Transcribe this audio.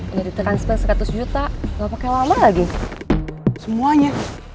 ini kantor polisi ya